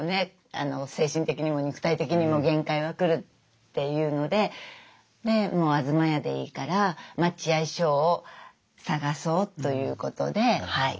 精神的にも肉体的にも限界が来るっていうのでで東屋でいいから待合所を探そうということではい